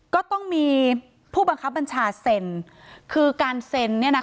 ก็ต้องมีผู้บังคับบัญชาเซ็นคือการเซ็นเนี่ยนะ